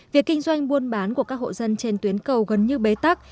việc kinh doanh buôn bán của các hộ dân trên tuyến cầu gần như bế tắc